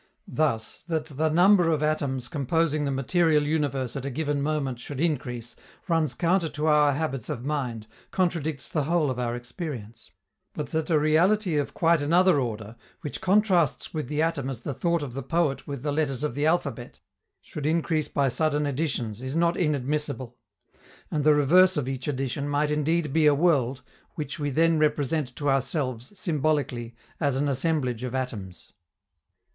Thus, that the number of atoms composing the material universe at a given moment should increase runs counter to our habits of mind, contradicts the whole of our experience; but that a reality of quite another order, which contrasts with the atom as the thought of the poet with the letters of the alphabet, should increase by sudden additions, is not inadmissible; and the reverse of each addition might indeed be a world, which we then represent to ourselves, symbolically, as an assemblage of atoms.